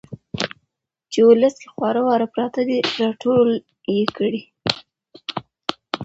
چې ولس کې خواره واره پراته دي را ټول يې کړي.